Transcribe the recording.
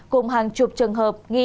cùng hàng chục trường hợp nghiêm